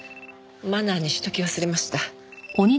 マナーにしとき忘れました。